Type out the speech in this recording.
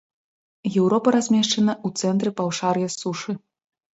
Еўропа размешчана ў цэнтры паўшар'я сушы.